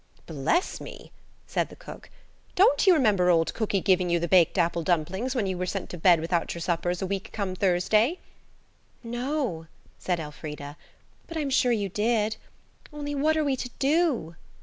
"Bless me," said the cook, "don't you remember old cookie giving you the baked apple dumplings when you were sent to bed without your suppers a week come Thursday?" "No," said Elfrida; "but I'm sure you did. Only what are we to do?"